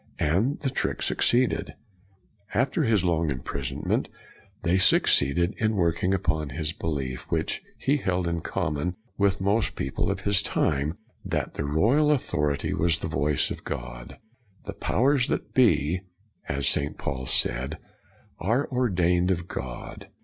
And the trick succeeded. After his long imprisonment, they succeeded in 94 CRANMER working upon his belief, which he held in common with most people of his time, that the royal authority was the voice of God: " the powers that be," as St. Paul said, " are ordained of God."